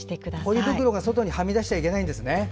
ポリ袋がはみ出しちゃいけないんですね。